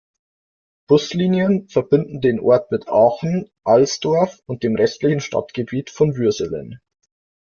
Buslinien verbinden den Ort mit Aachen, Alsdorf und dem restlichen Stadtgebiet von Würselen.